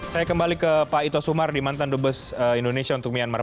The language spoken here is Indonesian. saya kembali ke pak ito sumar di mantan dubes indonesia untuk myanmar